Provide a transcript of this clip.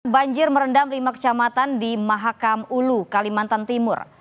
banjir merendam lima kecamatan di mahakam ulu kalimantan timur